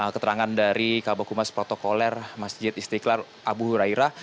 keterangan dari kabah humas protokoler masjid istiqlal abu hurairah